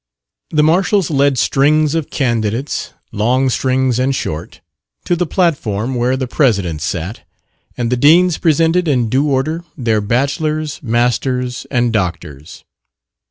The marshals led strings of candidates long strings and short to the platform where the president sat, and the deans presented in due order their bachelors, masters and doctors.